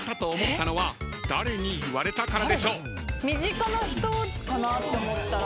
身近な人かなって思ったら。